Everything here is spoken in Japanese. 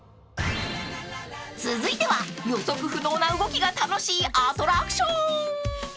［続いては予測不能な動きが楽しいアトラクション］